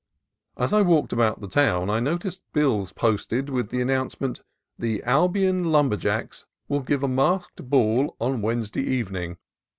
As I walked about the town, I noticed bills posted with the announcement, "The Albion Lumber Jacks will give a Masked Ball on Wednesday Even ing.